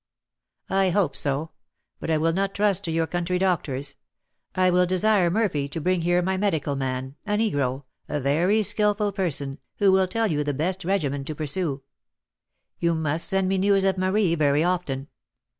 "I hope so; but I will not trust to your country doctors. I will desire Murphy to bring here my medical man, a negro, a very skilful person, who will tell you the best regimen to pursue. You must send me news of Marie very often.